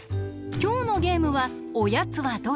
きょうのゲームは「おやつはどれ？」。